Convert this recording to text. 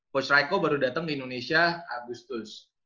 coach rajko baru datang ke indonesia agustus